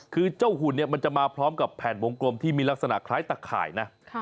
คือเจ้าหุ่นเนี่ยมันจะมาพร้อมกับแผ่นวงกลมที่มีลักษณะคล้ายตะข่ายนะ